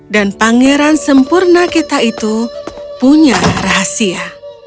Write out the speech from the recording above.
dan pangeran sempurna kita itu punya rahasia